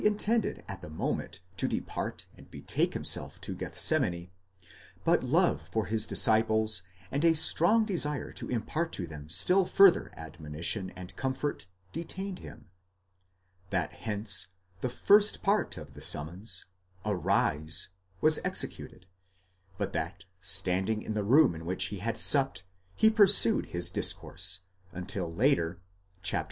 intended at the moment to depart and betake himself to Gethsemane, but love for his disciples, and a strong desire to impart to them still further admonition and comfort, detained him; that hence, the first part of the summons, Arse, was executed, but that, standing in the room in which he had supped, he pursued his discourse, until, later (xviii.